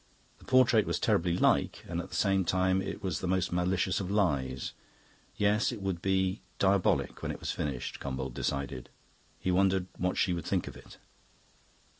The portrait was terribly like; and at the same time it was the most malicious of lies. Yes, it would be diabolic when it was finished, Gombauld decided; he wondered what she would think of it.